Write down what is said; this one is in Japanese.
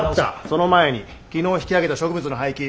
その前に昨日引き揚げた植物の廃棄。